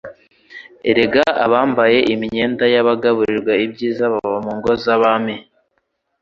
Erega abambaye imyenda y'abagaburirwa ibyiza baba mu ngo z'abami."